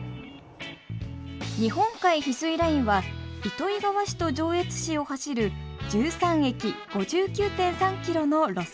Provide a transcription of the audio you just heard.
日本海ひすいラインは糸魚川市と上越市を走る１３駅５９．３ｋｍの路線。